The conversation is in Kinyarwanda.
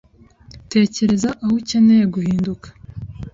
tekereza aho ukeneye guhinduka